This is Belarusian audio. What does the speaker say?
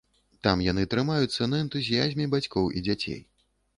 Там яны трымаюцца на энтузіязме бацькоў і дзяцей.